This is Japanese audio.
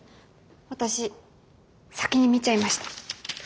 私先に見ちゃいました。